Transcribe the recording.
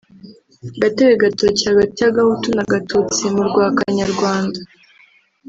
Gatebe gatoki hagati ya Gahutu na Gatutsi murwa Kanyarwanda